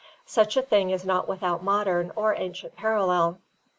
Such a thing is not without modern or ancient parallel.